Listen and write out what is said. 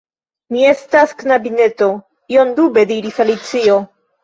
"Mi estas... knabineto," iom dube diris Alicio